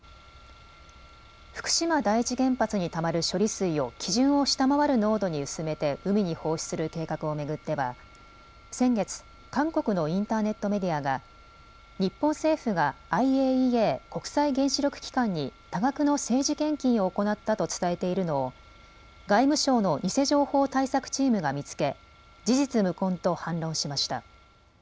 福島第一原発にたまる処理水を基準を下回る濃度に薄めて海に放出する計画を巡っては先月、韓国のインターネットメディアが日本政府がＩＡＥＡ・国際原子力機関に多額の政治献金を行ったと伝えているのを外務省の偽情報対策チームが見つけ事実無根と反論しました。